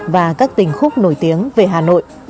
và các tình khúc nổi tiếng về hà nội